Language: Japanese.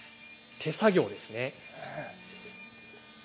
手作業ですね。